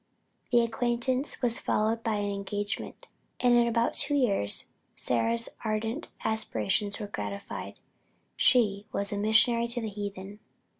This acquaintance was followed by an engagement; and in about two years Sarah's ardent aspirations were gratified she was a missionary to the heathen.